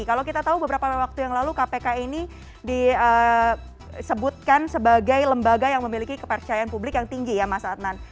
kalau kita tahu beberapa waktu yang lalu kpk ini disebutkan sebagai lembaga yang memiliki kepercayaan publik yang tinggi ya mas adnan